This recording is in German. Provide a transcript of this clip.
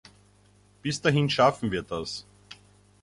Bis dahin schaffen wir das!